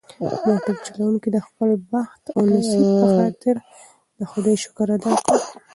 موټر چلونکي د خپل بخت او نصیب په خاطر د خدای شکر ادا کړ.